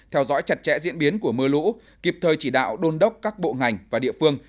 theo dõi chặt chẽ diễn biến của mưa lũ kịp thời chỉ đạo đôn đốc các bộ ngành và địa phương